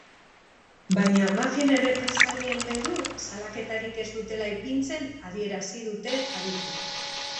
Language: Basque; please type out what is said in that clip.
Baina mafien errepresalien beldur salaketarik ez dutela ipintzen adierazi dute adituek.